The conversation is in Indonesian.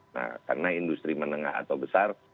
nah karena industri menengah atau besar